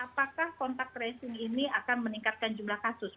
apakah kontak tracing ini akan meningkatkan jumlah kasus